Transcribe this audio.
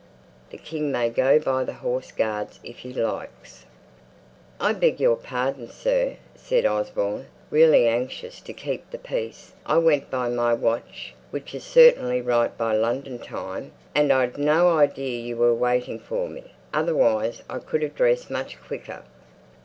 The King may go by the Horse Guards if he likes." "I beg your pardon, sir," said Osborne, really anxious to keep the peace, "I went by my watch, which is certainly right by London time; and I'd no idea you were waiting for me; otherwise I could have dressed much quicker."